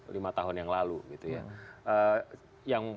lima tahun yang lalu gitu ya